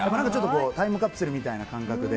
タイムカプセルみたいな感覚で。